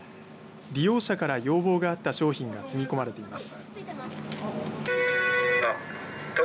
利用者から要望があった商品が積み込まれています。